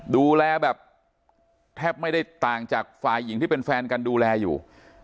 ดูแลแบบแทบไม่ได้ต่างจากฝ่ายหญิงที่เป็นแฟนกันดูแลอยู่